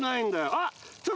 あっ！